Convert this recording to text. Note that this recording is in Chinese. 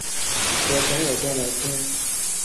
和朋友边聊天